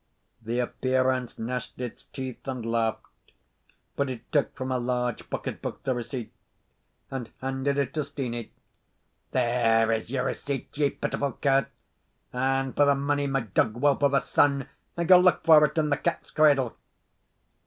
The appearance gnashed its teeth and laughed, but it took from a large pocket book the receipt, and handed it to Steenie. "There is your receipt, ye pitiful cur; and for the money, my dog whelp of a son may go look for it in the Cat's Cradle."